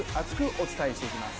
お伝えしていきます。